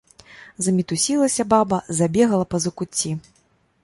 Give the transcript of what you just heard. Замітусілася баба, забегала па закуцці.